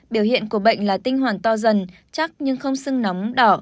biểu hiện của bệnh là tinh hoàn to dần chắc nhưng không sưng nóng đỏ